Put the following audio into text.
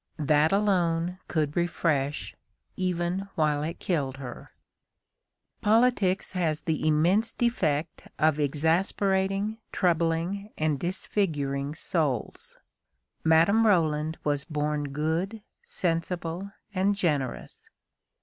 That alone could refresh, even while it killed her. Politics has the immense defect of exasperating, troubling, and disfiguring souls. Madame Roland was born good, sensible, and generous.